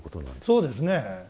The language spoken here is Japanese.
そうですね。